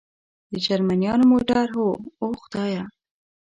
د جرمنیانو موټر؟ هو، اوه خدایه.